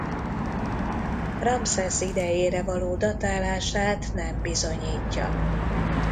Ramszesz idejére való datálását nem bizonyítja.